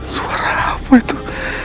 suara apa itu